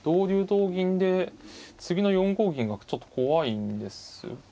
同銀で次の４五銀がちょっと怖いんですが。